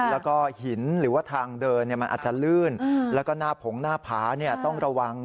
แล้วก็หินหรือว่าทางเดินมันอาจจะลื่นแล้วก็หน้าผงหน้าผาต้องระวัง